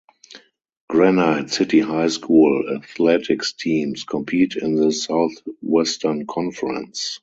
Granite City High School athletics teams compete in the Southwestern Conference.